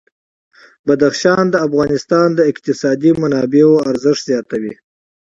بدخشان د افغانستان د اقتصادي منابعو ارزښت زیاتوي.